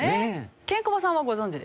ケンコバさんはご存じですか？